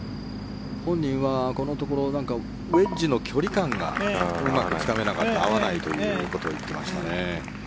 本人はこのところウェッジの距離感がつかめなかった合わないということを言っていましたね。